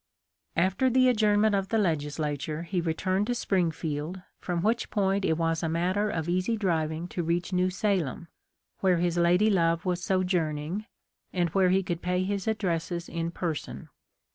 After the adjournment of the Legislature he returned to Springfield, from which point it was a matter of easy driving to reach New Salem, where his lady love was sojourning, and where he could pay his addresses in person.